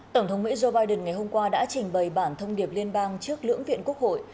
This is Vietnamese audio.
tổng thống mỹ joe biden ngày hôm qua đã trình bày bản thông điệp liên bang trước lưỡng viện quốc hội